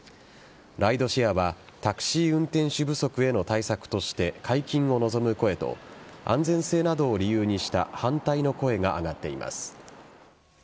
ライドシェアはタクシー運転手不足への対策として解禁を望む声と安全性などを理由にした反対の声が上がっています。